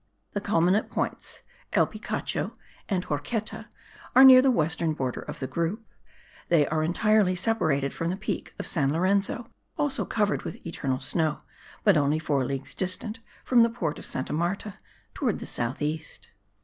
The culminant points, called El Picacho and Horqueta, are near the western border of the group; they are entirely separated from the peak of San Lorenzo, also covered with eternal snow, but only four leagues distant from the port of Santa Marta, towards the south east.